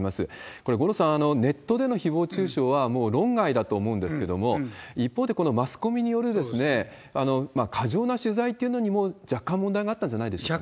これ、五郎さん、ネットでのひぼう中傷は、もう論外だと思うんですけれども、一方で、このマスコミによる過剰な取材っていうのにも、若干問題があったんじゃないでしょうかね。